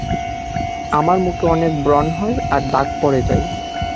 আমার মুখে অনেক ব্রণ হয় আর দাগ পরে যায়।